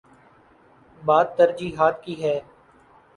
بات ترجیحات کی ہے۔